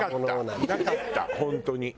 なかった本当に。